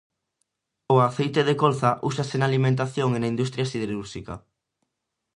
O aceite de colza úsase na alimentación e na industria siderúrxica.